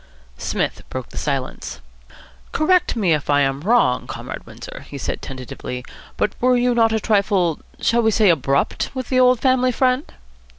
Psmith broke the silence. "Correct me if I am wrong, Comrade Windsor," he said tentatively, "but were you not a trifle shall we say abrupt? with the old family friend?"